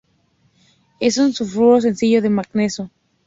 Es un sulfuro sencillo de manganeso.